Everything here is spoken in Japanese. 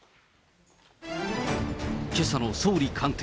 けさの総理官邸。